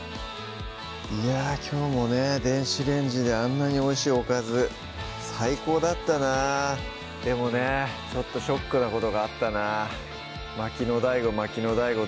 いやぁきょうもね電子レンジであんなにおいしいおかず最高だったなでもねちょっとショックなことがあったな巻きのＤＡＩＧＯ巻きのＤＡＩＧＯ